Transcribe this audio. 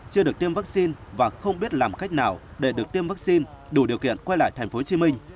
chưa được tiêm vaccine và không biết làm cách nào để được tiêm vaccine đủ điều kiện quay lại thành phố hồ chí minh